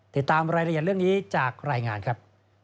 ติดตามรายละเอียดเรื่องนี้จากรายงานครับ